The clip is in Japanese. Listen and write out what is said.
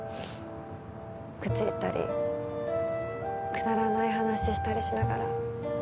愚痴言ったりくだらない話したりしながら